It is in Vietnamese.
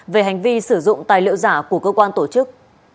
về hành vi sử dụng tài liệu giả của cơ quan tổ chức